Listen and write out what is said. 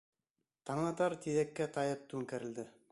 Таңатар тиҙәккә тайып түңкәрелде.